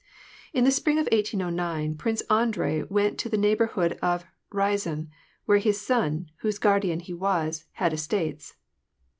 In the spring of 1809 Prince Andrei went to the neigh borhood of Riazan, where his son, whose guardian he was, had estates.